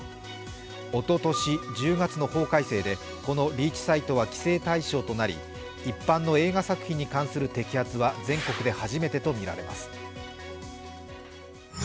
おととし１０月の法改正でリーチサイトは規制対象となり一般の映画作品に関する摘発は全国で初めてとみられます。